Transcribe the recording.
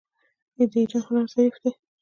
د ایران هنر ظریف دی.